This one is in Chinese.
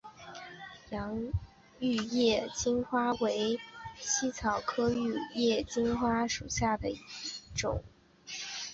洋玉叶金花为茜草科玉叶金花属下的一个种。